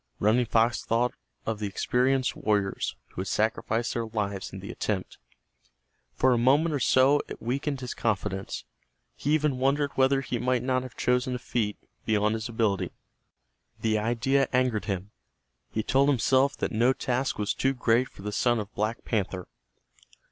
Running Fox thought of the experienced warriors who had sacrificed their lives in the attempt. For a moment or so it weakened his confidence. He even wondered whether he might not have chosen a feat beyond his ability. The idea angered him. He told himself that no task was too great for the son of Black Panther.